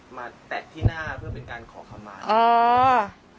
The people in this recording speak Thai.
ไว้มาแตะที่หน้าเพื่อเป็นการขอขมาอ๋อ